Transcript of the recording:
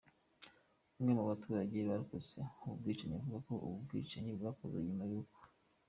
Umwe mubaturage warokotse ubu bwicanyi avuga ko ubu bwicanyi bwakozwe nyuma y’uko